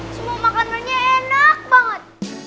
semua makanan nya enak banget